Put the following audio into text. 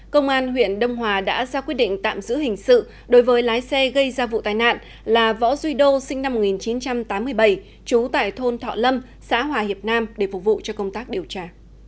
công an huyện đông hòa đã ra quyết định tạm giữ hình sự đối với lái xe gây ra vụ tai nạn là võ duy đô sinh năm một nghìn chín trăm tám mươi bảy trú tại thôn thọ lâm xã hòa hiệp nam để phục vụ cho công tác điều tra